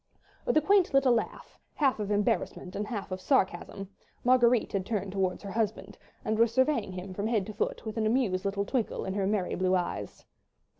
With a quaint little laugh, half of embarrassment and half of sarcasm, Marguerite had turned towards her husband, and was surveying him from head to foot, with an amused little twinkle in her merry blue eyes.